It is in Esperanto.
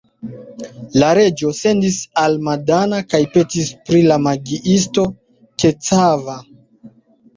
La reĝo sendis al Madana kaj petis pri la magiisto Kecava.